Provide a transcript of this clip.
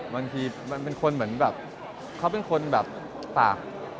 บางทีมันเป็นคนเหมือนแบบเขาเป็นคนแบบปาก